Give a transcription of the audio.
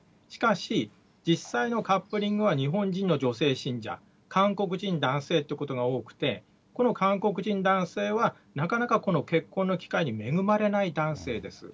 しかし、実際のカップリングは日本人の女性信者、韓国人男性ということが多くて、この韓国人男性はなかなか結婚の機会に恵まれない男性です。